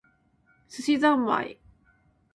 寿司ざんまい